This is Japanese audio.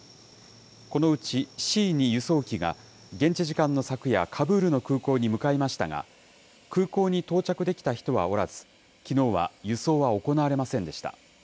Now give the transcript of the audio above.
このうちＣ２輸送機が、現地時間の昨夜、カブールの空港に向かいましたが、空港に到着できた人はおらず、きのうは輸送は行われませんでした。